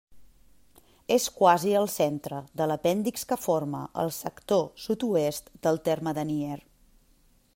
És quasi al centre de l'apèndix que forma el sector sud-oest del terme de Nyer.